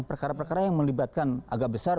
perkara perkara yang melibatkan agak besar